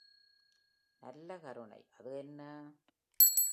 நல்ல கருணை, அது என்ன?